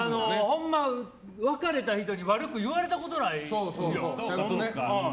ほんま、別れた人に悪く言われたことないよ。